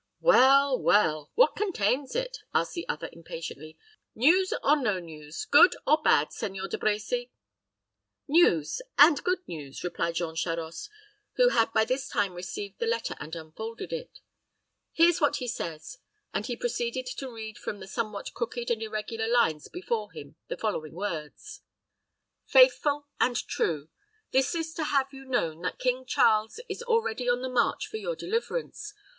"Well, well. What contains it?" asked the other, impatiently. "News, or no news, good or bad, Seigneur De Brecy?" "News, and good news," replied Jean Charost, who had by this time received the letter and unfolded it; "hear what he says;" and he proceeded to read from the somewhat crooked and irregular lines before him the following words: "FAITHFUL AND TRUE, This is to have you know that King Charles is already on the march for your deliverance.